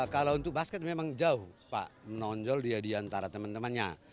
kalau untuk basket memang jauh menonjol dia di antara teman temannya